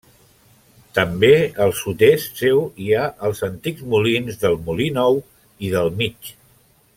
També al sud-est seu hi ha els antics molins del Molí Nou i del Mig.